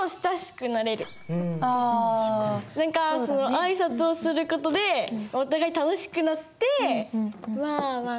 挨拶をする事でお互い楽しくなってまあまあ